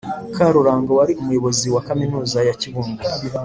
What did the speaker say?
Karuranga wari Umuyobozi wa Kaminuza ya Kibungo,